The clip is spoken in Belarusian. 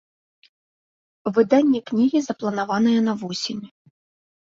Выданне кнігі запланаванае на восень.